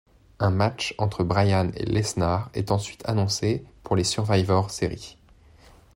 Un match entre Bryan et Lesnar est ensuite annoncé pour les Survivor Series.